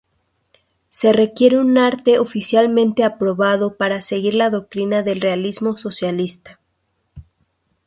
Se requería un arte oficialmente aprobado para seguir la doctrina del realismo socialista.